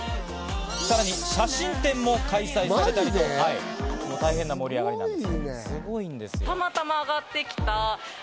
さらに写真展も開催されたりとか、大変な盛り上がりです。